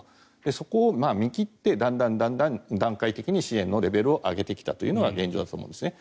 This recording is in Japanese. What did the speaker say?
そこを見切ってだんだん段階的に支援のレベルを上げてきたというのが現状だと思うんですね。